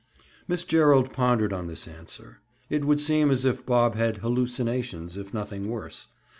Miss Gerald pondered on this answer. It would seem as if Bob had "hallucinations," if nothing worse.